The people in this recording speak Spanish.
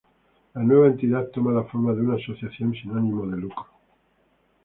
La nueva entidad toma la forma de una asociación sin ánimo de lucro.